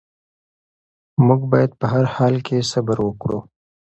موږ باید په هر حال کې صبر وکړو.